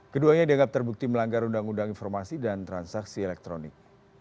keduanya dianggap terbukti melanggar undang undang informasi dan transaksi elektronik